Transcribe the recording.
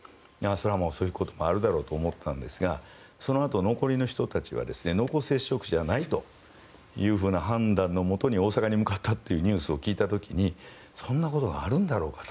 そういうこともあるだろうと思ったんですが残りの人たちは濃厚接触者じゃないという判断になって大阪に向かったというニュースを聞いた時にそんなことがあるんだろうかと。